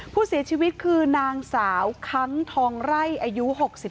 ผู้เสียชีวิตคือนางสาวคั้งทองไร่อายุ๖๒